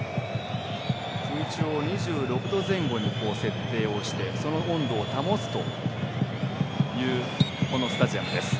空調２６度前後に設定してその温度を保つというこのスタジアムです。